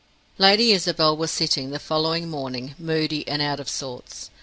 Lady Isabel was sitting, the following morning, moody and out of sorts.